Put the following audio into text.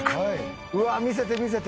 うわ見せて見せて！